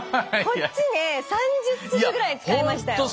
こっちね３０粒ぐらい使いましたよ。